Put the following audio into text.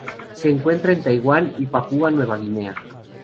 Se encuentra en Taiwán y Papúa Nueva Guinea.